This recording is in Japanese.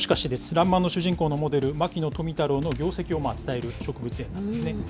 らんまんの主人公のモデル、牧野富太郎の業績を伝える植物園なんですね。